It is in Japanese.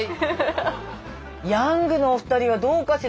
ヤングのお二人はどうかしら。